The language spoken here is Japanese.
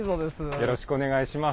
よろしくお願いします。